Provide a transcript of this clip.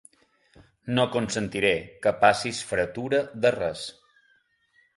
No consentiré que passis fretura de res.